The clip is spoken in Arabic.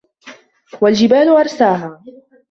وَالجِبالَ أَرساها